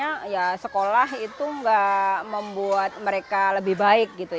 dan ketika saya tanya kenapa katanya sekolah itu tidak membuat mereka lebih baik